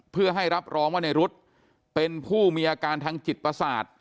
เพื่อให้รับรองว่าในรุ๊ดเป็นผู้มีอาการทางจิตประสาท